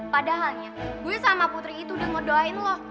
padahalnya gue sama putri itu udah ngedoain loh